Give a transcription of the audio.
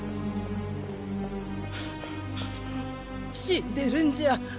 死んでるんじゃ！？